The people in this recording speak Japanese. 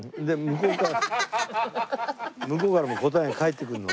向こうからも答えが返ってくるの？